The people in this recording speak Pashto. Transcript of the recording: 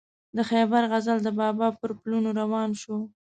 د خیبر غزل د بابا پر پلونو روان شو.